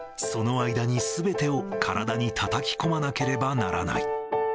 その間にすべてを体にたたき込まなければならない。